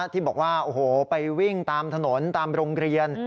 ที่บอกว่าโอ้โหไปวิ่งตามถนนตามโรงเรียน